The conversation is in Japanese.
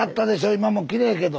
今もきれいやけど。